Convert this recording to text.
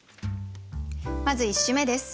まず１首目です。